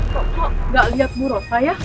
kok gak liat bu rosa ya